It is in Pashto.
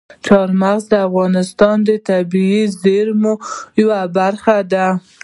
چار مغز د افغانستان د طبیعي زیرمو یوه برخه ده.